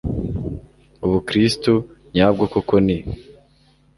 ubukristu nyabwo koko ni